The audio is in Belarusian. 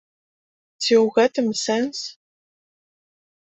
Ці ў гэтым сэнс?